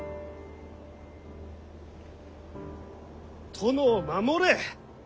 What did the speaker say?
殿を守れ。